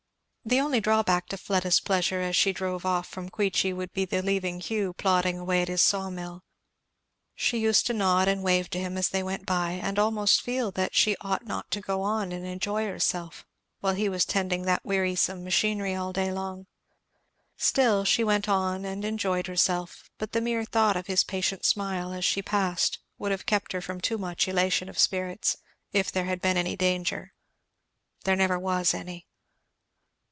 The only drawback to Fleda's pleasure as she drove off from Queechy would be the leaving Hugh plodding away at his saw mill. She used to nod and wave to him as they went by, and almost feel that she ought not to go on and enjoy herself while he was tending that wearisome machinery all day long. Still she went on and enjoyed herself; but the mere thought of his patient smile as she passed would have kept her from too much elation of spirits, if there had been any danger. There never was any.